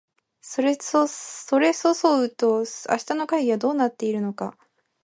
それそそうと明日の会議はどうなっているのか